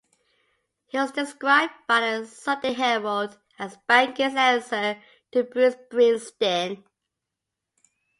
He was described by the "Sunday Herald", as "banking's answer to Bruce Springsteen".